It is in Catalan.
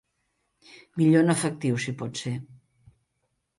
Millor en efectiu si pot ser.